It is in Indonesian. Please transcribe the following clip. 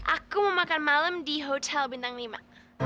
aku mau makan malam di hotel bintang lima